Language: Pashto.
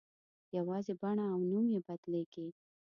یوازې بڼه او نوم یې بدلېږي.